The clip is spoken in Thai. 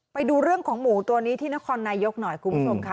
ไปดูเรื่องของหมูตัวนี้ที่นครนายกหน่อยคุณผู้ชมค่ะ